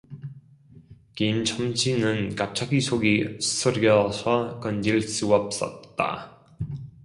김첨지는 갑자기 속이 쓰려서 견딜 수 없었다.